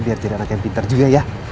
biar jadi anak yang pintar juga ya